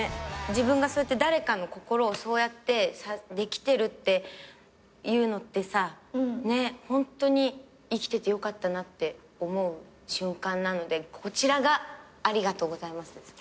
自分がそうやって誰かの心をそうやってできてるっていうのってさねっホントに生きててよかったなって思う瞬間なのでこちらがありがとうございますです。